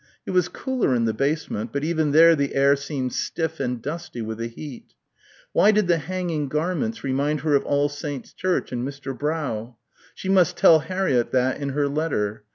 It was cooler in the basement but even there the air seemed stiff and dusty with the heat. Why did the hanging garments remind her of All Saints' Church and Mr. Brough? ... she must tell Harriett that in her letter